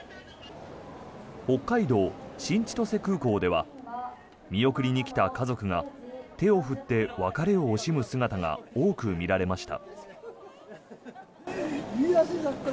北海道・新千歳空港では見送りに来た家族が手を振って別れを惜しむ姿が多く見られました。